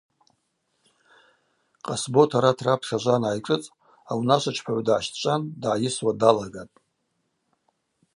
Къасбот арат рапш ажва ангӏайшӏыцӏ аунашвачпагӏв дгӏащтӏчӏван дгӏайысуа далагатӏ.